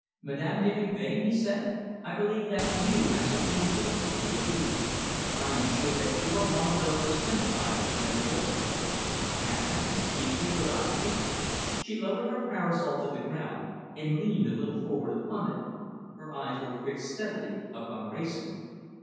"Madame de Melbain," he said, "I believe that you have some influence with Louise, I am sure that you are one of those who sympathize with the unfortunate. Can't I bespeak your good offices?" She lowered her parasol to the ground, and leaned a little forward upon it. Her eyes were fixed steadily upon Wrayson.